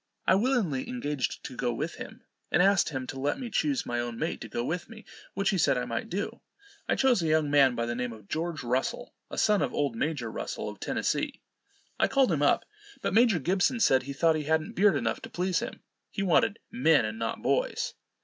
I willingly engaged to go with him, and asked him to let me choose my own mate to go with me, which he said I might do. I chose a young man by the name of George Russell, a son of old Major Russell, of Tennessee. I called him up, but Major Gibson said he thought he hadn't beard enough to please him, he wanted men, and not boys.